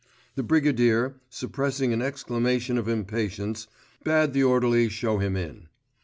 The Brigadier, suppressing an exclamation of impatience, bade the orderly shew him in.